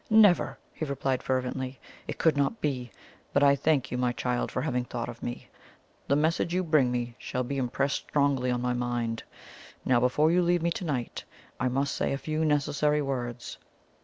"Never!" he replied fervently. "It could not be. But I thank you, my child, for having thought of me the message you bring shall be impressed strongly on my mind. Now, before you leave me to night, I must say a few necessary words."